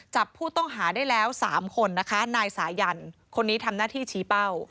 จับผู้ต้องหาได้แล้ว๓คนนะคะนายสายันคนนี้ทำหน้าที่ชี้เป้า